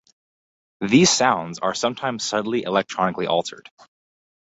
These sounds are sometimes subtly electronically altered.